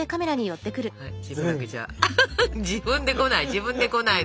自分で来ない！